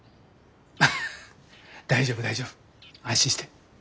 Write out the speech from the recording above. アハハ大丈夫大丈夫安心して。